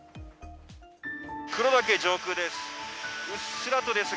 黒岳上空です。